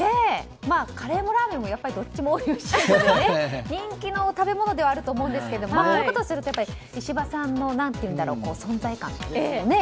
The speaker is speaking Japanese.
カレーもラーメンもやっぱりどっちもおいしいので人気の食べ物ではあると思うんですがこういうことをすると石破さんの存在感というね。